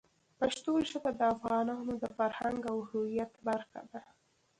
پښتو ژبه د افغانانو د فرهنګ او هویت برخه ده.